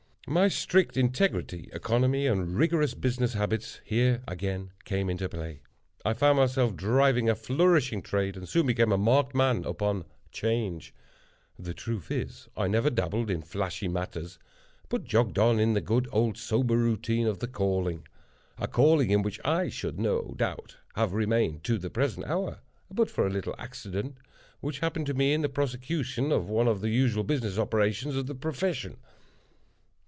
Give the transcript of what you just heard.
My strict integrity, economy, and rigorous business habits, here again came into play. I found myself driving a flourishing trade, and soon became a marked man upon "Change." The truth is, I never dabbled in flashy matters, but jogged on in the good old sober routine of the calling—a calling in which I should, no doubt, have remained to the present hour, but for a little accident which happened to me in the prosecution of one of the usual business operations of the profession.